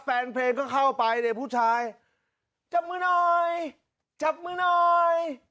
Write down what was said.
แฟนเพลงก็เข้าไปเนี่ยผู้ชายจับมือหน่อยจับมือหน่อย